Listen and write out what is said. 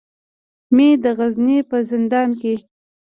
مې د غزني په زندان کې.